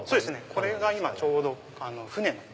これがちょうど船の。